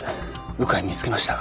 鵜飼見つけました。